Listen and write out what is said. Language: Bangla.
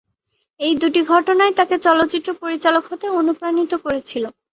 এই দু’টি ঘটনাই তাঁকে চলচ্চিত্র পরিচালক হতে অনুপ্রাণিত করেছিল।